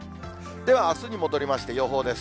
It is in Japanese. では、あすに戻りまして、予報です。